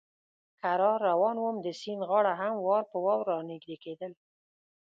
کرار روان ووم، د سیند غاړه هم وار په وار را نږدې کېدل.